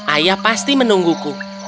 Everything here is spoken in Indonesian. ayah pasti menungguku